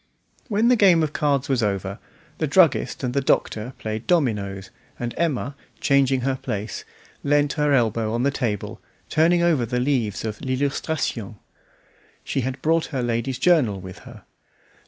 When the game of cards was over, the druggist and the Doctor played dominoes, and Emma, changing her place, leant her elbow on the table, turning over the leaves of "L'Illustration". She had brought her ladies' journal with her.